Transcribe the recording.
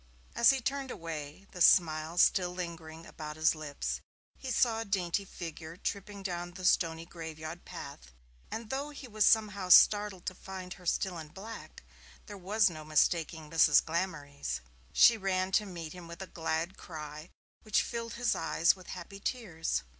As he turned away, the smile still lingering about his lips, he saw a dainty figure tripping down the stony graveyard path, and though he was somehow startled to find her still in black, there was no mistaking Mrs. Glamorys. She ran to meet him with a glad cry, which filled his eyes with happy tears.